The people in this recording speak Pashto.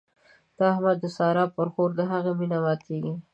د احمد د سارا پر خور د هغې مينه ماتېږي.